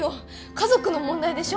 家族の問題でしょ。